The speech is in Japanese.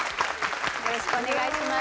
よろしくお願いします。